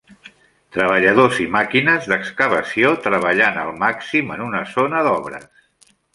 Treballadors i màquines d'excavació treballant al màxim en una zona d'obres